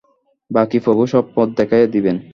বাকী প্রভু সব পথ দেখাইয়া দিবেন।